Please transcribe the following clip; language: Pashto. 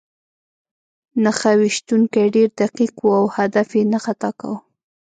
نښه ویشتونکی ډېر دقیق و او هدف یې نه خطا کاوه